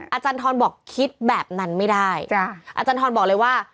อาจารย์ทรบอกคิดแบบนั้นไม่ได้อาจารย์ทรบอกเลยว่า